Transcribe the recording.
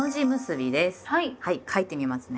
はい書いてみますね。